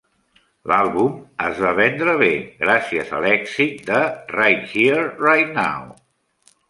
L'àlbum es va vendre bé, gràcies a l'èxit de "Right Here, Right Now".